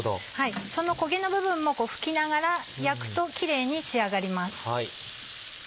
その焦げの部分も拭きながら焼くとキレイに仕上がります。